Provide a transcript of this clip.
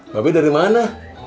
mbak be dari mana